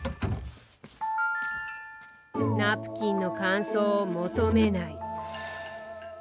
ナプキンの感想を求めない。